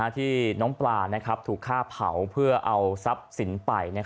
ที่น้องปลาถูกฆ่าเผาเพื่อเอาทรัพย์สินไป